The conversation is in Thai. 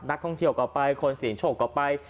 นักท่องเที่ยวก็ไปคนเสี่ยงโชคก็ไป